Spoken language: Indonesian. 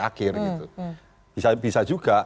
akhir gitu bisa juga